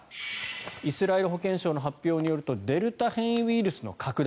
イスラエル保健省の発表によるとデルタ変異ウイルスの拡大